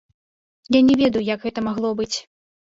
Я не ведаю, як гэта магло быць!